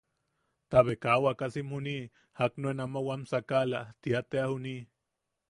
Tabe kaa wakasim juni jak nuen ama wam sakala tia tea junii.